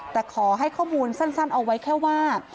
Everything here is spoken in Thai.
แต่ขอให้ข้อมูลสั้นเอาไว้แค่ว่า